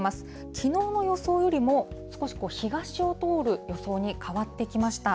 きのうの予想よりも少し東を通る予想に変わってきました。